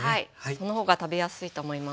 その方が食べやすいと思います。